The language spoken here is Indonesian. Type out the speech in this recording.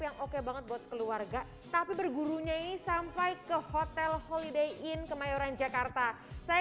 yang oke banget buat keluarga tapi bergurunya ini sampai ke hotel holiday in kemayoran jakarta saya